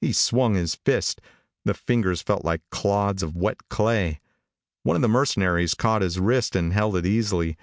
He swung his fist; the fingers felt like clods of wet clay. One of the mercenaries caught his wrist and held it easily.